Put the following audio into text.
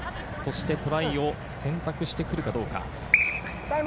そしてトライを選択してくるかどうか。